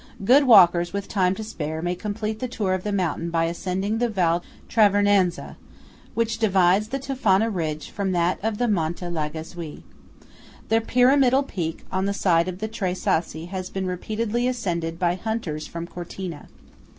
Good walkers with time to spare may complete the tour of the mountain by ascending the Val Travernanza, which divides the Tofana ridge from that of Monte Lagazuoi. The pyramidal peak on the side of the Tre Sassi has been repeatedly ascended by hunters from Cortina.